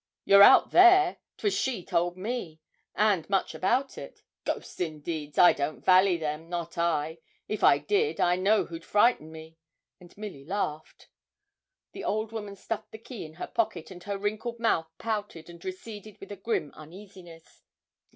'You're out there: 'twas she told me; and much about it. Ghosts, indeed! I don't vally them, not I; if I did, I know who'd frighten me,' and Milly laughed. The old woman stuffed the key in her pocket, and her wrinkled mouth pouted and receded with a grim uneasiness.